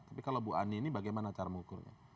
tapi kalau bu ani ini bagaimana cara mengukurnya